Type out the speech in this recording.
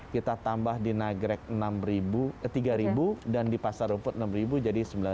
kita tambah di nagrek rp tiga dan di pasar rumput enam ribu jadi sembilan ratus